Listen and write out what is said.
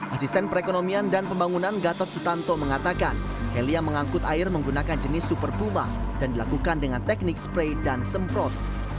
asisten perekonomian dan pembangunan gatot sutanto mengatakan heli yang mengangkut air menggunakan jenis super puma dan dilakukan dengan teknik spray dan semprot